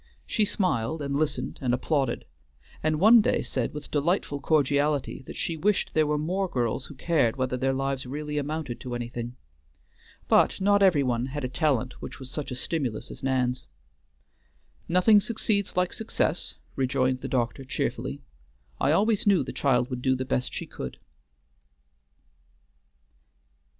She smiled, and listened, and applauded, and one day said with delightful cordiality that she wished there were more girls who cared whether their lives really amounted to anything. But not every one had a talent which was such a stimulus as Nan's. "Nothing succeeds like success," rejoined the doctor cheerfully, "I always knew the child would do the best she could."